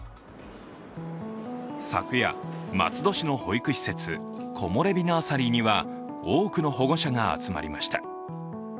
昨夜、松戸市の保育施設コモレビ・ナーサリーには多くの保護者が集まりました。